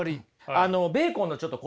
あのベーコンのちょっと言葉をね